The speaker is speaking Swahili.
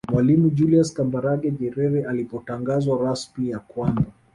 Mwalimu Julius Kambarage Nyerere alipotangaza rasmi ya kwamba